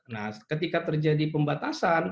nah ketika terjadi pembatasan